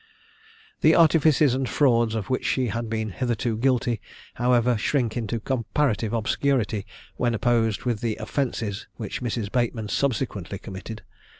The artifices and frauds of which she had been hitherto guilty, however, shrink into comparative obscurity, when opposed with the offences which Mrs. Bateman subsequently committed.